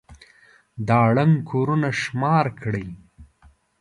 دا ړنـګ كورونه شمار كړئ.